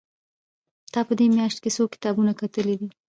تا په دې مياشت کې څو کتابونه کتلي دي؟